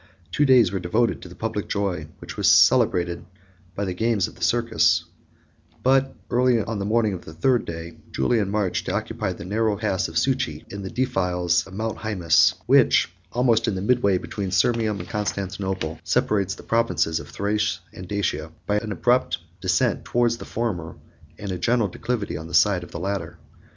Two days were devoted to the public joy, which was celebrated by the games of the circus; but, early on the morning of the third day, Julian marched to occupy the narrow pass of Succi, in the defiles of Mount Hæmus; which, almost in the midway between Sirmium and Constantinople, separates the provinces of Thrace and Dacia, by an abrupt descent towards the former, and a gentle declivity on the side of the latter.